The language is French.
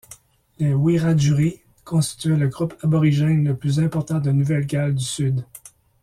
Les Wiradjuri constituaient le groupe aborigène le plus important de Nouvelle-Galles du Sud.